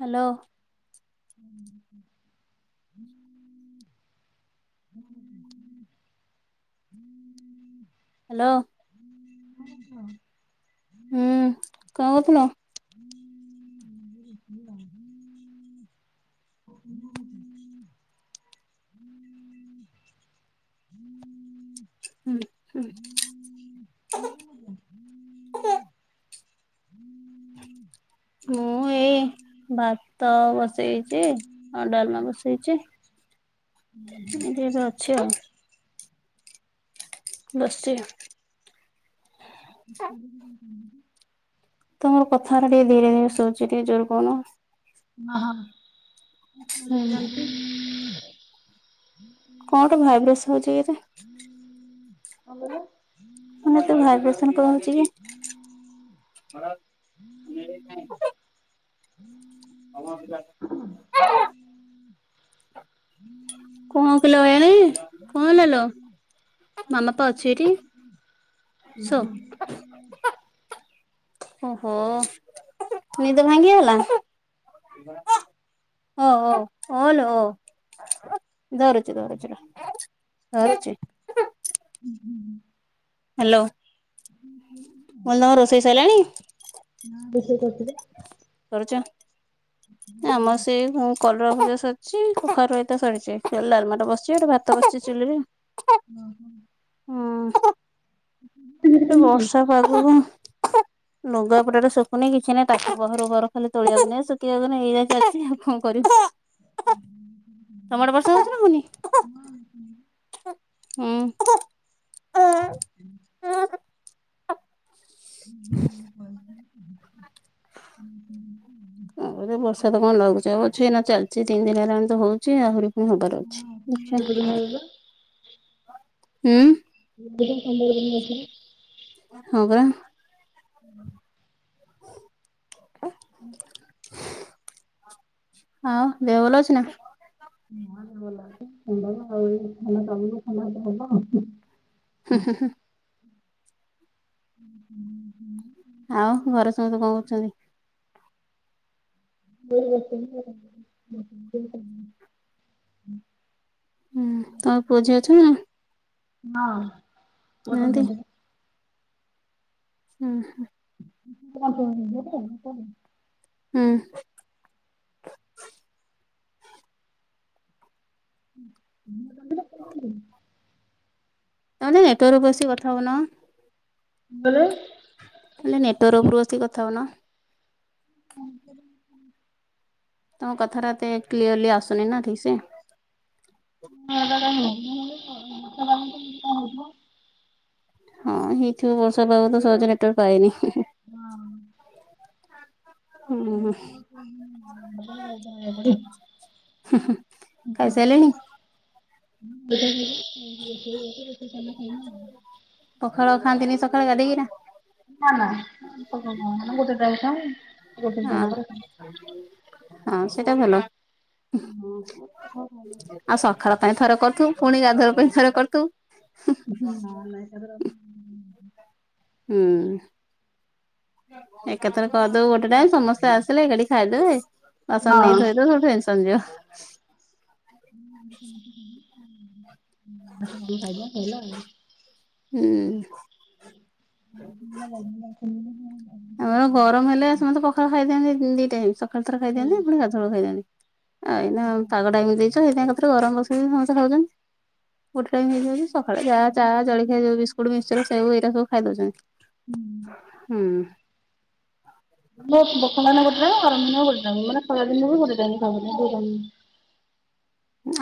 Hello. [inaudible] Hello. [unintelligible] ହୁଁ କଣ କରଥୁଲ। [unintelligible] [inaudible] ହୁଁ। [inaudible] [inaudible] ମୁଁ ଏଇ। ଭାତ ବସେଇ ଛି ଆଉ ଡାଲମା ବସେଇଛି। ଏଇଠି ଏବେ ଅଛି ଆଉ। ବଶିଚି ହୁଁ। ତମ କଥା ଗୁରା ଟିକେ ଧୀରେ ଧୀରେ ଶୁବୁଚି ଟିକେ ଜୋର କହୁନ। ହୁଁ ଓହୋ। କଣ ଗୋଟେ ଭାଇବ୍ରେସ ହଉଛି ଏଇରେ? କଣ କହିଲ? କଣ ଗୋଟେ ଭାଇବ୍ରେସନ କଣହଉଛି କି? [inaudible] [inaudible] [unintelligible] କଣ କିଲ ବାୟାଣୀ କଣ ହେଲା ଲୋ? ମାମା ପା ଅଛି ଏଠି ଶୋ। ଓହୋ ନିଦ ଭାଙ୍ଗି ଗଲା। ହଁ ହଁ ହଉ ହଲ ହଲ ହଉ ଧରୁଛି ଧରୁଛି ର। ଧରୁଛି। ହୁଁ ହୁଁ ହୁଁ ହ୍ୟାଲୋ। [inaudible] କଣ ତମ ରୋଷେଇ ସଇଲାଣି? ମା ରୋଷେଇ କ କରୁଛ୍ ଆମର ସେଇ ହଁ କଲରା ଭଜା ସରିଚି କଖାରୁ ତ ସରିଛି ଡାଲମା ବସିଛି ଗୋଟେ ଭା ତ ବସିଛି ଚୁଲିରେ। ଓହୋ। ହୁଁ ଏଟା ବର୍ଷା ପାଗ ପାଇଁ ଲୁଗାପଟା ରା ଶୁଖୁନି କିଛି ନାଇଁ ତାକୁ ବାହରୁ ବାର ଖାଲି ତୋଳିବାକୁ ନାଇଁ ଶୁଖିବାକୁ ଏଇ ଚାଲିଛି ଆଉ କଣ କରିବ, ତମ ଆଡ଼େ ବର୍ଷା ହଉଛି ନା ହଉନି? ହୁଁ! ହୁଁ! [inaudible] ଆଉ ବର୍ଷା ତ କଣ ଲଘୁଚାପ ଅଛି ନା ଚାଲିଛି ତିନି ଦିନ ହେଲାଣି ତ ହଉଛି ଆହୁରି। ମୁଁ ହବାର ଅଛି ନା ନା ଗୋଟେ ଦେଖିବା ହୁଁ। ଟାଇମ୍ ଖାଏ [inaudible] ହଁ ପରା। ହୁଁ! ହୁଁ! ଆଉ ଦେହ ଭଲ ଅଛି ନା? ଛି ସୁନ୍ଦର ଆଉ ଏଇ କାମ ହବ ଆଉ [inaudible] [inaudible] ହୁଁ ହୁଁ ହୁଁ! ହୁଁ ହୁଁ ହୁଁ। ଆଉ ଘରେ ସମସ୍ତେ କଣ କରଚନ୍ତି? [inaudible] ହୁଁ ତମର ପୁଅ ଝିଅ ଅଛନ୍ତି ନା ନାହାନ୍ତି [inaudible] [inaudible] [inaudible] ଆଁ। [inaudible] ତମେ ନେଟୱର୍କକୁ ଆସି କଥା ହଉନ। ହ୍ୟାଲୋ। ଟିକେ ନେଟୱାର୍କ ଉପରୁ ଆସିକି କଥା ହଉନ। [inaudible] ତମ କଥାଟା ଏତେ କ୍ଲିୟର୍ଲି ଆସୁନି ନା ଠିକ୍ ସେ। [inaudible] ହୁଁ, କଣ କରୁଥିଲ? ହଁ, ହେଇଥିବ ବର୍ଷା ପାଗ ତ ସହଜେ ନେଟୱାର୍କ ପାଏନି। ହଁ। ହୁଁ। [inaudible] ଖାଇସାରିଲେଣି [inaudible] [inaudible] ପଖାଳ ଖାଆନ୍ତି ନି ସକାଳେ ଗାଧେଇକିନା? ହଁ [inaudible] ହଁ, ସେଇଟା ଭଲ। [inaudible] ଆଉ ସକାଳ ପାଇଁ ଥରେ କରୁଥିବୁ, ପୁଣି ଗାଧୁଆବେଳ ପାଇଁ ଥରେ କରୁଥିବୁ। [inaudible] ହୁଁ। ଏକାଥରେ କରିଦବୁ ଗୋଟେ ଟାଇମ୍। ସମସ୍ତେ ଆସିଲେ ଏକାଠି ଖାଇଦେବେ। ବାସନ ନେଇ ଧୋଇଦେବୁ ଟେନସନ୍ ଯିବ। [inaudible] ଉଁ। [inaudible] ଆମର ଗରମ ହେଲେ ସମତେ ପଖାଳ ଖାଇ ଦିଅନ୍ତି ଦି ଟାଇମ୍। ସକାଳୁ ଥରେ ଖାଇ ହୁଁ ଦିଅନ୍ତି ପୁଣି ଗାଧୁଆବେଳେ ଖାଇଯାଆନ୍ତି। ଏଇନା ପାଗଟା ଏମିତି ଦେଇଚି। ସେଇଥିପାଇଁ ଏକାଥରେ ଗରମ ବସେଇ ଦେ ସମସ୍ତେ କହୁଚନି। ଗୋଟେ ଟାଇମ୍ ହେଇଯାଉଛି। ସକାଳେ ଯାହା ଚାହା ଜଳଖିଆ ଯୋଉ ବିସ୍କୁଟ, ମିକ୍ସଚର, ସେଉ ହେରିକା ସବୁ ଖାଇ ଦଉଛନ୍ତି। ହୁଁ। [inaudible] [unintelligible]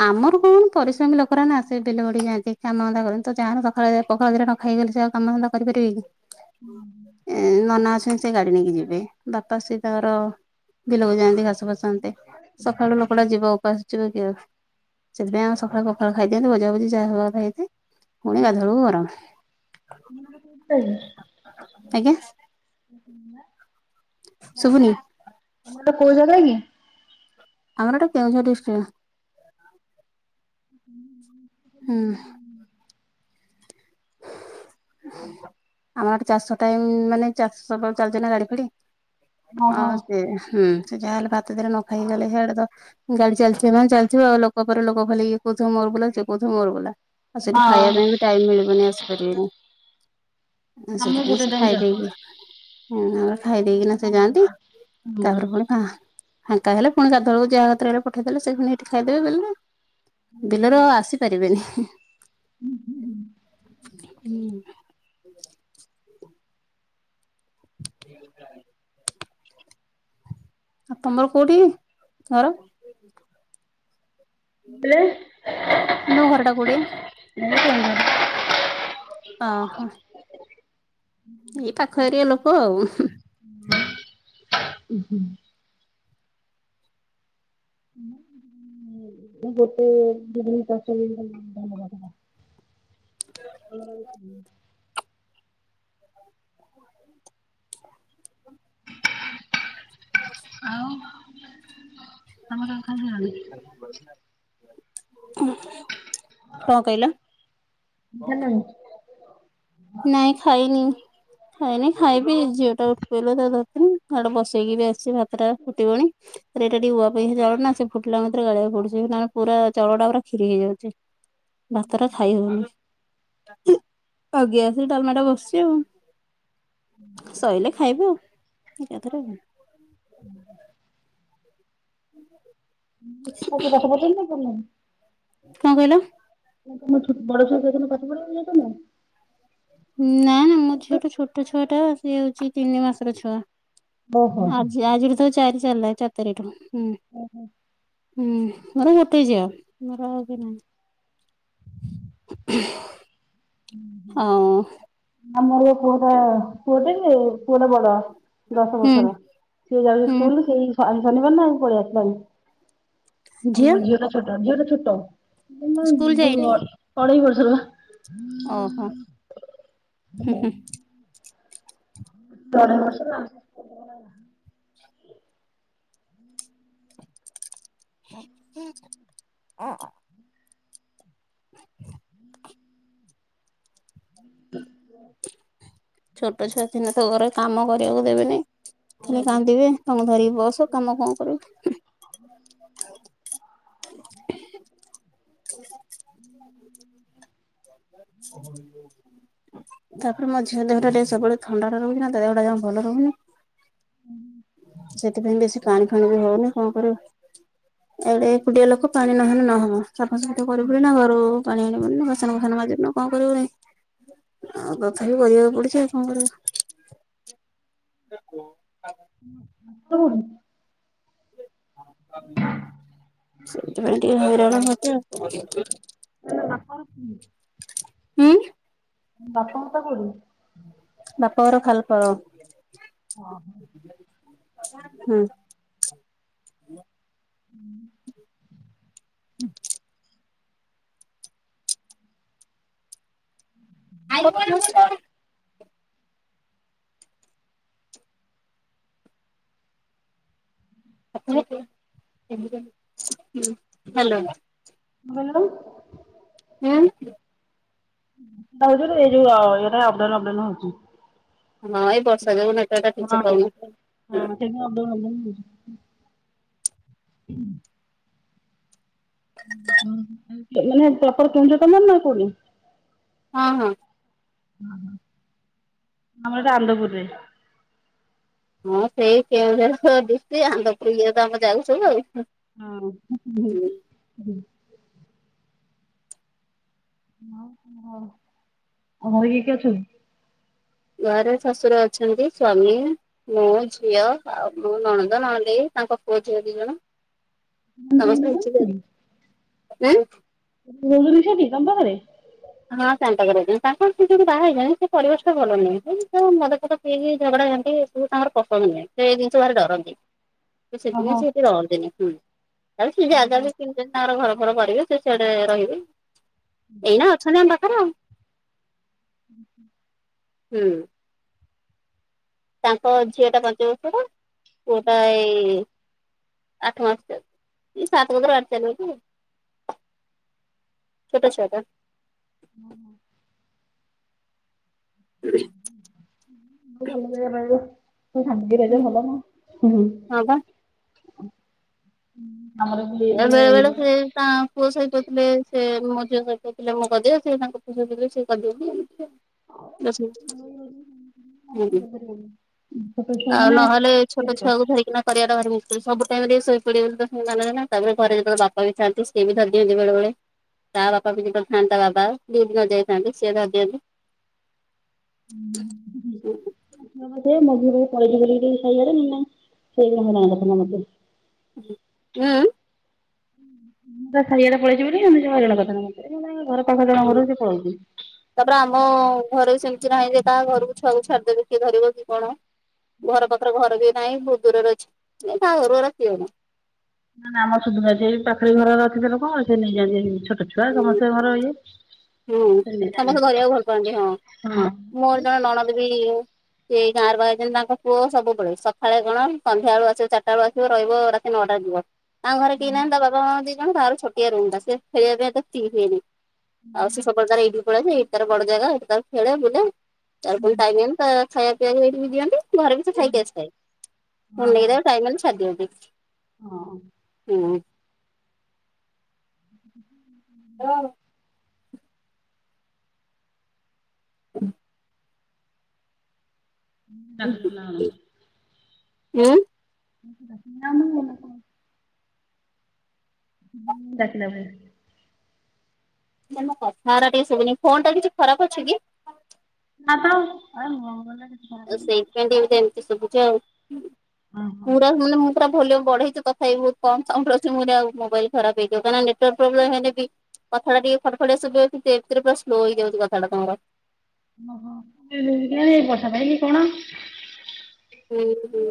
ଆମର କଣ ପରିଶ୍ରମୀ ଲୋକଗୁରା ଆସେ ଦିନେ ନା ଦିନେ [unintelligible] ସକାଳେ ଭାତ [unintelligible] ଖାଇଗଲେ ସେ ଆଉ କାମ ଧନ୍ଦା କରିପାରିବେ କି? ହୁଁ ଏଇ ମାନା ଅସୁଚି, ସେ ଗାଡି ନେଇକି ଯିବେ। ବିଲକୁ ଯାଆନ୍ତି ଘାସ ଫାସ ଆଣନ୍ତି। ସକାଳୁ ଲୋକଟା ଯିବ ଉପାସ ଯିବ କି? ସେଥିପାଇଁ ଆମେ ସକାଳୁ ପଖାଳ ଖାଇଦିଅନ୍ତି ଭଜାଭୁଜି ଯାହା ହବା କଥା ହେଇଥାଏ। ପୁଣି ଗାଧୁଆବେଳକୁ ଗରମ। [inaudible] କେବେ [unintelligible] ଶୁଭୁନି ତମର କୋଉ ଜାଗା କି? ଆମର ଏଟା କେଉଁଝର ଡିଷ୍ଟିକ୍। ହୁଁ [unintelligible] ହୁଁଉଁ ଆମଆଡେ ଚାଷ ଟାଇମ ମାନେ ଚାଷ ସ ଚାଲିଛନ୍ତି ନା ଗାଡି ଫାଡି। ଓହୋ ଆଉ ସେ ହୁଁ ସେ ଯାହାହେଲେ ଭାତ ଦିଟା ନଖାଇ ଗଲେ ସେଇଆଡେ ତ। ଗାଡି ଚାଲିମାନେ ଚାଲିଥିବ ଆଉ ଲୋକ ପରେ ଲୋକ ଖାଲି ଇଏ କହୁଥିବ ମୋର ବୁଲା ସେ କହୁଥିବ ମୋର ବୁଲା। ଆଉ ସେଇଠୁ ହଁ ଖାଇବା ପାଇଁ ବି ଟାଇମ ମିଳିବନି ଆସିପାରିବେନି। ଆମେ ସେଥିପାଇଁ ଗୋଟେ ସେ ଟାଇମ୍ ଚାଷ। ଖାଇଦେଇକି ହୁଁ ତାପରେ ଖାଇ ଦେଇେକିନା ସେ ଯାଆନ୍ତି ହୁଁ। ତାପରେ ପୁଣି ଫାଙ୍କା ହେଲେପୁଣି ଚାରିଟା ବେଳକୁ ଯାହାତରେହଲେ ପଠେଇଦେଲେ ସେଇଠି ଖାଇଦେବେ ବିଲରେ। ବିଲରୁ ଆଉ ଆସିପାରିବେନି। ହୁଁ ହୁଁ ହୁଁ। ହୁଁ [unintelligible] ହ [unintelligible] ଆଉ ତମର କୋଉଠି ଘର? ଏଲେ ଏ ତମ ଘରଟା କୋଉଠି? [unintelligible] ଅ ହଃ। ଏଇ ପାଖ ଏରି ଅ ଲୋକ ଆଉ। ହ ଉ ହଁ [unintelligible] ଗୋଟେ ଗଡଲି ଚାଷ [unintelligible] ହ [unintelligible] ଆଉ। ହ ତମେ କଣ ଖାଇସାରିଲଣି? [unintelligible] କଣ କହିଲ? [unintelligible] ନାଇଁ ଖାଇନି ଖାଇନି ଖାଇବେ ଝିଅ ଟା ଉଠି ପଇଲା ତାକୁ ଧରିଥିଲି। ହେଆଡେ ବସେଇକି ବି ଆସିିଚି ଭାତ ଟା ଫୁଟିବଣି। ଏଇଟା ଟିକେ ୁ [unintelligible] ଆ ସେ ଚଳ ନା ସେ ଫୁଟା ମରେ ଗାଳଆକୁ ପଡୁିବ ପୁରା ଚଳଟ ପୁରା ଖୀ ହେଇଯାଉଛି [inaudible] ଭାତ ରା ଖାଇ ହଉନି। ଆଜ୍ଞା ଆସ ଡାଲମାଟା ବସି ଆଉ ସୋଇିଲଲେ ଖାଇବୁ ଆଉ [unintelligible] ାଥ [unintelligible] ହୁଁ ହୁଁ କଠ ପଛନ୍ଦ ନା କରଁ [unintelligible] କଣ କହିଲ? ନା ତମ ଛଟ ବଡଛଆ ଯାଇେ ପାଠ ପଢାକୁ ଯାଉଛ ନା [inaudible] ନା ନା ମୋ ଝିଅଟା ଛୋଟ ଛୁଆ ଟା ସିଏ ହଉଚି ତିନି ମାସର ଛୁଆ। ଓହୋ। ଆଜି ଆଜିଠୁ ତ ଚାରି ଚାଲିଲା ଚାରି ତାରିଖ ଠୁ ହୁଁ। ଓହୋ। ହୁଁ ମର ଗୋଟେ ଝିଅ ମୋର ଆଉ କେହିନାହାନ୍ତି। ହୁଁ। ହଁ। ଆମର ପୁଅଟା ପୁଅଟେ ପୁଅଟା ବଡ଼। ଦଶ ହୁଁ ବର୍ଷର ସିଏ ଯାଇଚି ହୁଁ ସ୍କୁଲ୍ ସେଇ ଆଜି ଶନିବାରନା ଆଜି ପଳେଇ ଆସିଲାଣି ଝିଅ ଆଁ ଝିଅଟା ଛୋଟ ଝିଅଟା ଛୋଟ। ସ୍କୁଲ ମାନେ ଯାଇନି ଯୋଉ ଅଢ଼େଇ ବର୍ଷର। ଓହୋ ହୁଁ ହୁଁ। ଦେଢ଼ ବର୍ଷରେ। [inaudible] [inaudible] [inaudible] ଛୋଟ ଛୁଆ ଥିନେତ ଘରେ କାମ କରିବାକୁ ଦେବେନି ଖାଲି କାନ୍ଦିବେ। ତମେ ଧରିବି ବସ କାମ କଣ କରିବୁ। [unintelligible] ତାପରେ ମୋଝଅ ଦେହଟା ଟିକେ ସବୁବେଳେ ଥଣ୍ଡାଟା ରହୁଚିନା ତାଦେହଟା ଭଲ ରହୁନି। ସେଥିପାଇଁ ବେଶୀ ପାଣି ଫାଣି ହଉନି କଣ କରିବ। ଏକୁଟିଆ ଲୋକ ପାଣି ନହେଲେ ନହବ। ସଫାସୁଫିଚ କରିବୁନିନା ଘରୁ ପାଣି ଆଣିବୁନିନା ବାସନ ଫାସନ ମାଜିବୁନୁ କଣ କରିବୁନି ଆଉ ତଥାପି କରିବାକୁ ପଡ଼ୁଚି ଆଉ କଣ କରିବ। [unintelligible] [unintelligible] ସେଇଥିପାଇଁ ଟିକେ ହଇରାଣ ମତେ ଆଉ [unintelligible] [unintelligible] ହୁଁ। ବାପାଘରଟା କୋଉଠି? ବାପା ଘର ଖାଲପାଳ। ଓହୋ। ହୁଁ। ହୁଁ। ଆଇଲ [unintelligible] [unintelligible] ହାଲୋ। ବଲ ହୁଁ। ଏଟା ଆଉଥରେ ଏଇ ଯୋଉ ଏଇଟା ଅପ୍ ଡାଉନ୍ ଅପ୍ ଡାଉନ୍ ହଉଚି। ନା ଏଇବର୍ଷା ଯୋଗୁ ନେଟୱର୍କ ଠିକସେ ହଁ ପାଉନି। [unintelligible] ଉଁ ହୁଁ ମାନେ ପ୍ରପର କେଉଁଝରନା ନାକୋଉଠି? ହଁ ହଁ। ଅଁ ହଁ ଆମର ଏଟା ଆନ୍ଦପୁରରେ। ହଁ ସେଇ କେଉଁଝର ଡିଷ୍ଟି ଆନ୍ଦପୁର ଯାକ ଆମେ ଯାଉଚୁଯେ ହଁ [unintelligible] ଆଉ ତମ ଘ ଆଉ ଘରେ କିଏ କିଏ ଅଛି? ଘରେ ଶଶୁର ଅଛନ୍ତି ସ୍ଵାମୀ ମୁଁ ଝିଅ ଆଉ ମୁଁ ନଣନ୍ଦ ନଣଦେଇ ତାଙ୍କ ପୁଅ ଝିଅ ଦି ଜଣ। [inaudible] [inaudible] ଅଛନ୍ତି ଉଁ [unintelligible] ତମ ଘରେ? [unintelligible] ସେଇ ଝଗଡା ଝାଟି ତୁ ତାଙ୍କର ପସନ୍ଦ ନୁହେଁ। ସେ ଏଇ ଜିନିଷ ଭାରି ଡରନ୍ତି ସେ ସେଥିପାଇଁ ଓହୋ ଏଠି ରହନ୍ତି ଡରନ୍ତିନି ହୁଁ ଓହୋ [unintelligible] ତାଙ୍କର ଘର ଫର କରିବେ ସେ ସେଆଡେ ରହିବେ ଏଇନା ଅଛନ୍ତି ଆମ ପାଖରେ ଆଉ। ହୁଁ ହୁଁ!। ହୁଁ। ତାଙ୍କ ଝିଅ ଟା ପାଞ୍ଚ ବର୍ଷ ର ପୁଅ ଟା ଏଇ ଆଠ ମାସ ଏଇ ସାତ କତିରୁ ଆଠ ଚାଲିବ ତ ଛୋଟ ଛୁଆ ଟା। [unintelligible] [unintelligible] ସେ ଭଲରେ ରହିବ ହଁ [unintelligible] ହୁଁ। ବା ଆମର ବୋଲି ବେଳେ ମାନେ ବେଳେ ସେ ତା ପୁଅ ସହିତଥିଲେ ସେ ମୋ ଝିଅ ସହିତଥିଲେ ମଁ କରିଦେ ସେ ତାଙ୍କୁ ପୂଜଥିଲେ ସେ [unintelligible] [unintelligible] ଛୋଟ ଛୁଆ ଆଉ ମାନେ ନହେଲେ ଛୋଟ କେତେ କଷ୍ଟ ଛୁଆକୁ ଧରିକିନା କରିବାଟା ଭାରି ମୁସକିଲି ସବୁ ଟାଇମି ରେ ସୋଇପଡିବ ବୋଲି ତ କିଛି ମାନେ ନାହିଁ ନା। ତାପରେ ଘରେ ଯେତେବେଳେ ବାପା ବି ଥାଆନ୍ତି ସେଵି ଧରି ଦିଅନ୍ତି ବେଳେବେଳେ। ତା ବାପା ବି ଯେତେବେଳେ ଥାନ୍ତି ବାବା ଡିଉଟି ନଯାଇଥାଆନ୍ତି ସିଏ ଧରିଦିଅନ୍ତି। ହୁଁ ହୁଁ। [unintelligible] ହୁଁ। ସାଇ ଆଡେ ପଳେଇଛି ମତେ ସେ ହରିରଣା କରିଥାନ୍ତ ବୋଲି ଜଣ କଥା ଘର ପାଖ ଜଣ ଘରୁ ସେ ପଳଉଛି। ତାପରେ ଆମ ଘରେ ସେମିତି ନାହିଁ ଯେ କାହା ଘରକୁ ଛୁଆକୁ ଛାଡିଦେବେ କିଏ ଧରିବ କି କଣ। ଘର ପାଖରେ ଘର ବି ନାହିଁ ବହୁତ ଦୂରରେ ଅଛି ନ ବାହା ଘରୁ [unintelligible] ନା ନା ଆମ ସୁଦ ସେ ପାଖୀ ଘର ଅଛିଥିଲେ ଲୋକ ସେ ନେଇଯାନ୍ତି [unintelligible] ଛୁଆ ହୁଁ ସମସ୍ତେ ଘର ଇଏ ହୁଁ ସେ ନେଇଯାଆନ୍ତି। ସମସ୍ତେ ଧରିବାକୁ ଭଲ ପାଆନ୍ତି ହଁ ହଁ ମୋର ଜଣେ ନଣଦ ବି ସେଇ ଗାଁରେ ବାହା ହେଇଛନ୍ତି ତାଙ୍କ ପୁଅ ସବୁବେଳେ ସକାଳେ କଣ ସନ୍ଧ୍ୟା ବଳୁ ଆସିବ ଚାରିଟା ବେଳୁ ଆସିବ ରହିବ ରା ସେ ନଅଟା ଯିବ ଆ ତାଙ୍କ ଘରେ କେହି ନାହାନ୍ତି ତା ବାପ ମା ଦି ଜଣ ଛୋଟିଆ ରୁମ୍ ଟା ସେ ଖେଳିବା ପାଇଁ ଏତେ ଫ୍ରି ହୁଏନି। ଆଉ ସେ ସବୁବେଳେ ତା ଏଇଠି ପଳେଇ ଆସେ ଏଇଠି ତାର ବଡ ଜାଗା ଏ ତ ଖେଳେ ବୁଲେ ତାର ପୁଣି ଟାଇମ ହେଲେ ତା ଖାଇବା ପିଇବାକୁ ଏଇଠି ବି ଦିଅନ୍ତି। ଘରେ ବି ସେ ଖାଇକି ଆସିଥାଏ। ହଁ ଫୁଣି ହଁ ନେଇକି ଟାଇମି ହେଲେ ଛାଡ଼ି ଦିଅନ୍ତି। ହଁ। ହୁଁ। [unintelligible] ହଁ। [unintelligible] [unintelligible] ଉଁ। ନାଁ ମୁଁ [unintelligible] କଥାା ଟିକେ ସବୁନି ଫୋନ ଟା କିଛି ଖରାପ ଅଛି କି? ନା ତ [unintelligible] ଆଉ ସେଇଥିପାଇଁ ଟତି ଏମିତି ସବୁଛି ଆଉ ପୁରା ମାନେ ପୁରା ଭଲ୍ୟୁମ୍ ବଢେଇଚି ତଥାପି ବହୁତ୍ କମ୍ ସାଉଣ୍ଡ ରେ ଅଛି ମୁଁ କହିଲି ଆଉ ମୋବାଇଲ୍ ଖରାପ ହେଇଯିବ କାରଣ ନେଟୱାର୍ ପ୍ରୋବ୍ଲେମ୍ ହେଲେ ବି କଥା ଟା ଟିକେ ଫ ଡ୍ ଫଡିଆ ସୁବିବ କିନ୍ତୁ ଏମତି ରେ ପୁରା ସ୍ଲୋ ହେଇଯାଉଛି କଥାଟା ତମର। ଓହୋ [unintelligible] କି କଣ। ହୁଁ ହୁଁ।